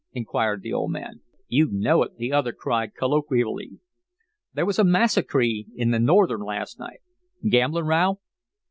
inquired the old man. "You KNOW it!" the other cried, colloquially. "There was a massacree in the Northern last night." "Gamblin' row?"